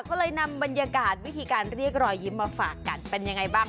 ก็เลยนำบรรยากาศวิธีการเรียกรอยยิ้มมาฝากกันเป็นยังไงบ้าง